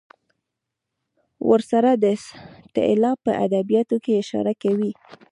ورسره دا اصطلاح په ادبیاتو کې اشاره کوي.